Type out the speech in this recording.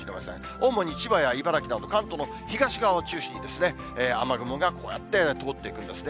主に千葉や茨城など、関東の東側を中心に、雨雲が、こうやって通っていくんですね。